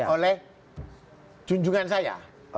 oleh junjungan saya